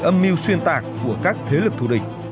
âm mưu xuyên tạc của các thế lực thù địch